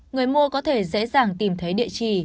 người mua có thể dễ dàng tìm thấy địa chỉ